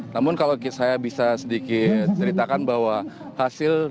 namun kalau saya bisa sedikit ceritakan bahwa hasil